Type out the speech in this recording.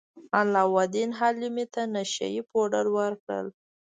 علاوالدین حلیمې ته نشه يي پوډر ورکړل.